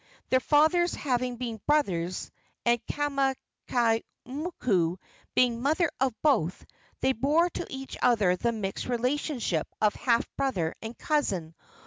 Their fathers having been brothers, and Kamakaimoku being the mother of both, they bore to each other the mixed relationship of half brother and cousin.